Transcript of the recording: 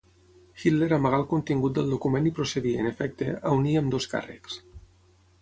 Hitler amagà el contingut del document i procedí, en efecte, a unir ambdós càrrecs.